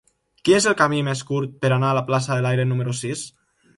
Quin és el camí més curt per anar a la plaça de l'Aire número sis?